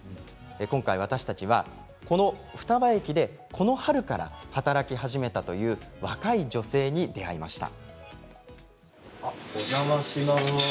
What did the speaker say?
今回、私たちは、この双葉駅でこの春から働き始めた若い女性と出会いました。